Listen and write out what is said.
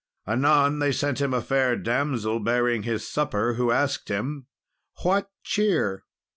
Anon, they sent him a fair damsel, bearing his supper, who asked him, "What cheer?"